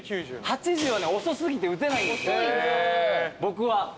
８０はね遅過ぎて打てないんです僕は。